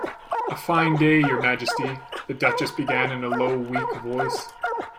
‘A fine day, your Majesty!’ the Duchess began in a low, weak voice.